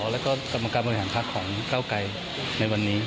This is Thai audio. แล้วก็กรรมการบริหารพักของเก้าไกรในวันนี้